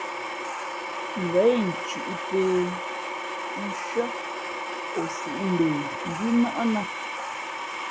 Ngα̌ incʉ̄ʼ pē nshʉ́ά ,o sīʼ mbe ngʉ́ nάʼ nā.